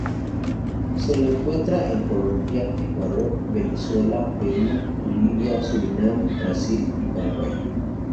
Se lo encuentra en Colombia, Ecuador, Venezuela, Perú, Bolivia, Surinam, Brasil y Paraguay.